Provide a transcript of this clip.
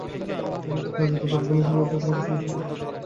যে মুহূর্তে কাজ দিতে না পারিবে, সেই মুহূর্তে তোমাকে সংহার করিব।